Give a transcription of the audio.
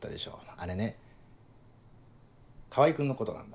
あれね川合君のことなんだ。